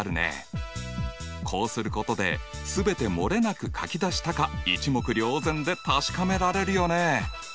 こうすることで全てもれなく書き出したか一目瞭然で確かめられるよね。